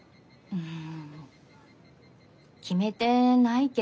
うん？